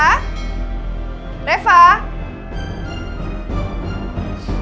rem jimin pergi besok